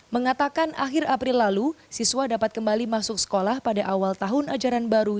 mengatakan akhir april lalu siswa dapat kembali masuk sekolah pada awal tahun ajaran baru